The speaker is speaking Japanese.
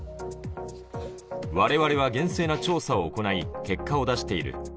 われわれは厳正な調査を行い、結果を出している。